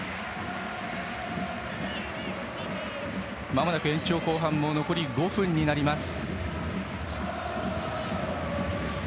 まもなく延長後半も残り５分となります。